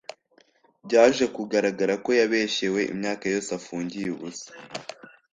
byaje kugaragara ko yabeshyewe imyaka yose afungiye ubusa